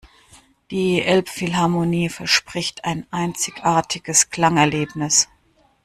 Die Elbphilharmonie verspricht ein einzigartiges Klangerlebnis.